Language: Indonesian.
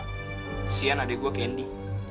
kasihan adik gue candy